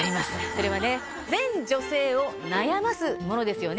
それは全女性を悩ますものですよね。